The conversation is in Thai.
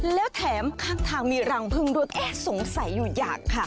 แล้วแถมข้างทางมีหลังเพลิงรถซงสัยอยู่อย่างค่ะ